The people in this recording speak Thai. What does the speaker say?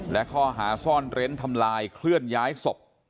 และข้อหาซ่อนเร้นทำลายเคลื่อนย้ายศพ